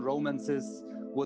tidak akan berhasil